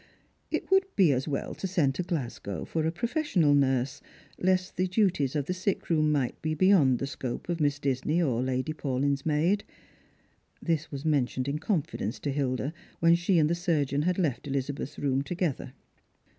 It would be as well to send to Glasgow for a professional nurse, lest the duties of the sick room might be beyond the scojoe of Miss Disney or Lady Paulyn's maid. This was mentioned in confidence to Hilda when she and the surgeon had left Elizabeth's room together.